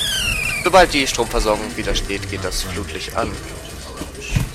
Sobald die Stromversorgung wieder steht, geht das Flutlicht an.